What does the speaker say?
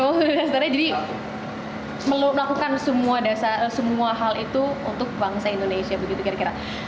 oh dasarnya jadi melakukan semua hal itu untuk bangsa indonesia begitu kira kira